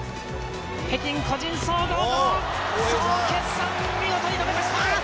北京個人総合の総決算見事に止めました！